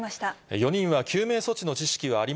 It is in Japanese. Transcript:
４人は救命措置の知識はあり